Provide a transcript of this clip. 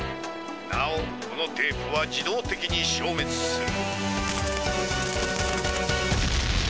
なおこのテープは自動てきに消めつする。